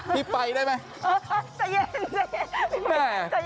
พี่ไปได้ไหม